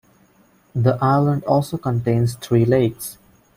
The island also contains three lakes.